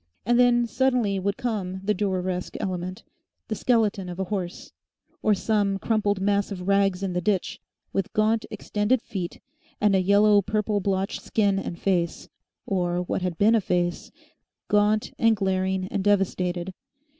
And then suddenly would come the Düreresque element; the skeleton of a horse, or some crumpled mass of rags in the ditch, with gaunt extended feet and a yellow, purple blotched skin and face, or what had been a face, gaunt and glaring and devastated.